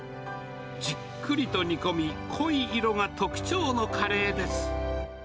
じっくりと煮込み、濃い色が特徴のカレーです。